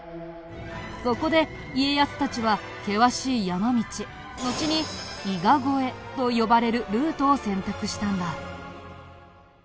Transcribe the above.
そこで家康たちは険しい山道のちに「伊賀越え」と呼ばれるルートを選択したんだ。